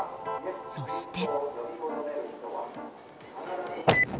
そして。